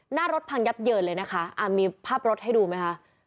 หน้ารถพังยับเยินเลยนะคะมีภาพรถให้ดูไหมคะ